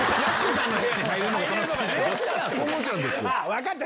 分かった！